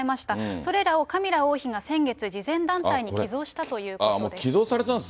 それらをカミラ王妃が先月、慈善団体に寄贈したということです。